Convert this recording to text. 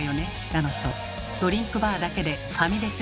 だのとドリンクバーだけでファミレス